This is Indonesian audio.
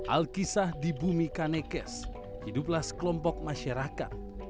alkisah di bumi kanekes hiduplah sekelompok masyarakat